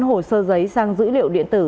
hồ sơ giấy sang dữ liệu điện tử